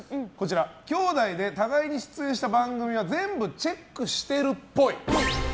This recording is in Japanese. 兄妹で互いに出演した番組は全部チェックしてるっぽい。